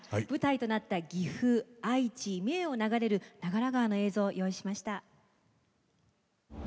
舞台となった岐阜、愛知、三重を流れる長良川の映像をご用意いたしました。